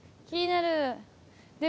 気になる。